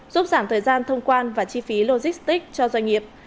giúp giảm thời gian thông quan và chi phí logistics cho doanh nghiệp